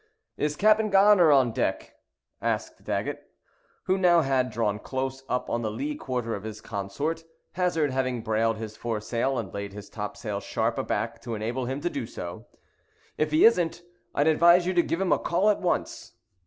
"Is Captain Gar'ner on deck?" asked Daggett, who had now drawn close up on the lee quarter of his consort, Hazard having brailed his foresail and laid his topsail sharp aback to enable him to do so, "if he isn't, I'd advise you to give him a call at once."